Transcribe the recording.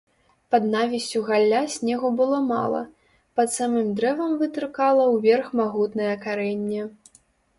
Пад навіссю галля снегу было мала, пад самым дрэвам вытыркала ўверх магутнае карэнне.